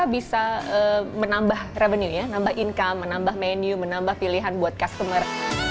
bisa menambah revenue ya nambah income menambah menu menambah pilihan buat customer